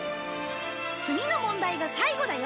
次の問題が最後だよ。